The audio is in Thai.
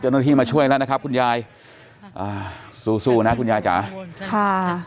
เจ้าหน้าที่มาช่วยแล้วนะครับคุณยายอ่าสู้นะคุณยายจ๋าค่ะ